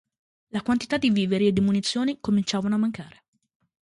Le quantità di viveri e munizioni cominciavano a mancare.